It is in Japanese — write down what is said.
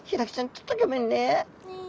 ちょっとギョめんね。